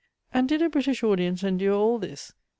And did a British audience endure all this?